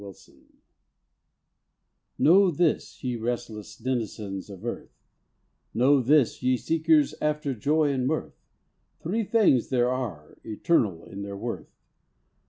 THREE THINGS Know this, ye restless denizens of earth, Know this, ye seekers after joy and mirth, Three things there are, eternal in their worth.